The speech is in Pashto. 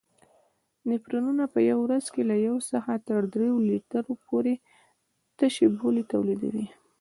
نفرونونه په ورځ کې له یو څخه تر دریو لیترو پورې تشې بولې تولیدوي.